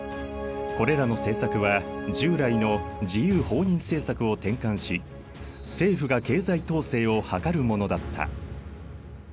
これらの政策は従来の自由放任政策を転換し政府が経済統制を図るものだった。